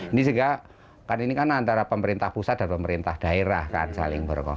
ini juga kan ini kan antara pemerintah pusat dan pemerintah daerah kan saling berkomunikasi